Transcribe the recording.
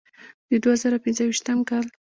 د دوه زره پنځويشتم کال